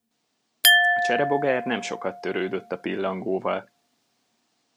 A cserebogár nem sokat törődött a pillangóval.